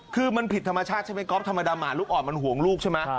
คือมันผิดธรรมชาติใช่ไหมก๊อฟธรรมดาหมาลูกอ่อนมันห่วงลูกใช่ไหม